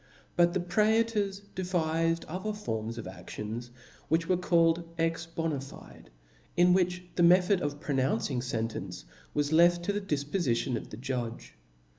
Butthtpr^lors devifed other forms of aftions, which were called ex bona fide^ where the method of pronouncing fen tcnce was left to the difpofition of the judge.